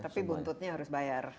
tapi buntutnya harus bayar